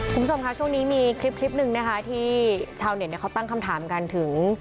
คุณผู้ชมค่ะช่วงนี้มีคลิปหนึ่งนะคะที่ชาวเน็ตเขาตั้งคำถามกันถึง